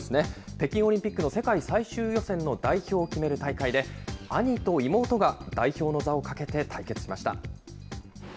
北京オリンピックの世界最終予選の代表を決める大会で、兄と妹が代表の座をかけて対決しました。